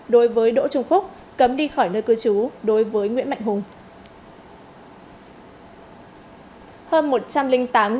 đối với đỗ trung phúc cấm đi khỏi nơi cư trú đối với nguyễn mạnh hùng